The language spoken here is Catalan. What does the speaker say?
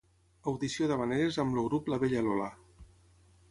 Audició d'havaneres amb el grup la Vella Lola